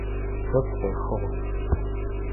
Чъэп къехыгъ.